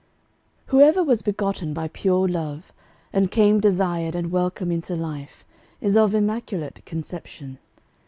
Whoever was begotten by pure love, And came desired and welcome into life, Is of immaculate conception.